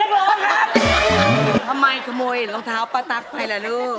ทำไมขโมยรองเท้าป้าตั๊กไปล่ะลูก